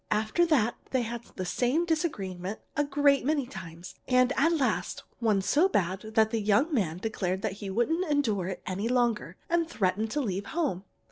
After that they had the same disagreement a great many times, and at last one so bad that the young man declared he wouldn't endure it any longer, and threatened to leave home.